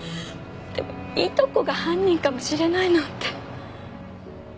でもいとこが犯人かもしれないなんて。